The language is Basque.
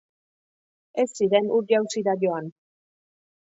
Ez ziren ur-jauzira joan.